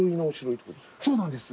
そうなんです。